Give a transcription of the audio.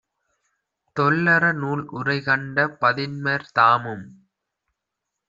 தொல்லறநூல் உரைகண்ட பதின்மர் தாமும்